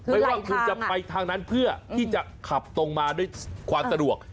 ไม่ว่าคุณจะไปทางนั้นเพื่อที่จะขับตรงมาด้วยความสะดวก